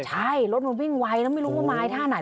ใช่รถมันวิ่งไวแล้วไม่รู้ว่ามาอีกท่าไหน